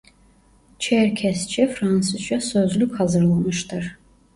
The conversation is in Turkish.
Çerkesçe-Fransızca sözlük hazırlamıştır.